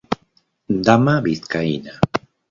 Dama vizcaína.